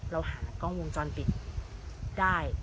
เราหากล้องวงจรปิดได้